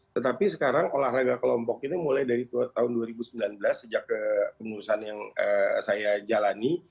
tetapi sekarang olahraga kelompok ini mulai dari tahun dua ribu sembilan belas sejak kepengurusan yang saya jalani